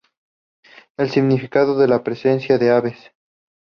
Es significativa la presencia de aves.